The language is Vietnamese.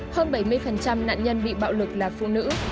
hơn bảy mươi nạn nhân bị bạo lực là phụ nữ